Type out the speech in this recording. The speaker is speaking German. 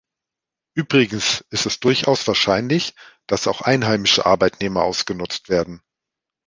Übrigens ist es durchaus wahrscheinlich, dass auch einheimische Arbeitnehmer ausgenutzt werden.